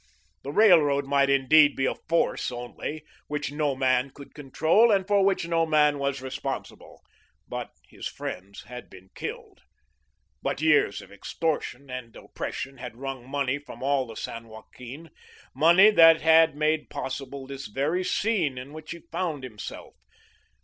The Railroad might indeed be a force only, which no man could control and for which no man was responsible, but his friends had been killed, but years of extortion and oppression had wrung money from all the San Joaquin, money that had made possible this very scene in which he found himself.